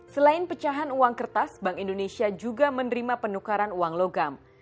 selain pecahan uang kertas bank indonesia juga menerima penukaran uang logam